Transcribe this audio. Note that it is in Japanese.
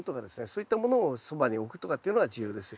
そういったものをそばに置くとかっていうのが重要です。